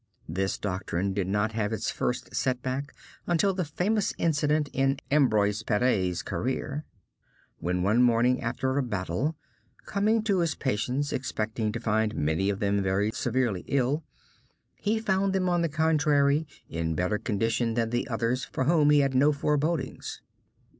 This doctrine did not have its first set back until the famous incident in Ambroise Paré's career, when one morning after a battle, coming to his patients expecting to find many of them very severely ill, he found them on the contrary in better condition than the others for whom he had no forebodings.